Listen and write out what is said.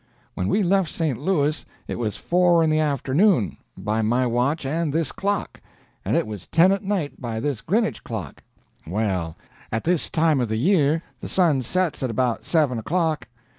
When we left St. Louis it was four in the afternoon by my watch and this clock, and it was ten at night by this Grinnage clock. Well, at this time of the year the sun sets at about seven o'clock.